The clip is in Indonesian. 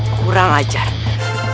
aku sudah selesai